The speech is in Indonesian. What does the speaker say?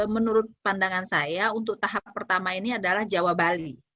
menurut pandangan saya untuk tahap pertama ini adalah jawa bali